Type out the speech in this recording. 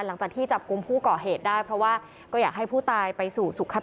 หลังจากที่จับกลุ่มผู้ก่อเหตุได้เพราะว่าก็อยากให้ผู้ตายไปสู่สุข